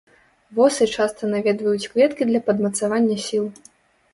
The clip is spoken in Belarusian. Восы часта наведваюць кветкі для падмацавання сіл.